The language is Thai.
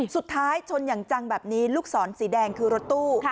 ชนอย่างจังแบบนี้ลูกศรสีแดงคือรถตู้